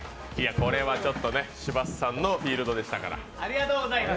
これはちょっとね柴田さんのフィールドでしたから。